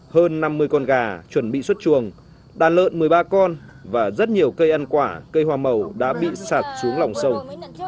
hơn năm mươi con gà chuẩn bị xuất chuồng đàn lợn một mươi ba con và rất nhiều cây ăn quả cây hoa màu đã bị sạt xuống lòng sông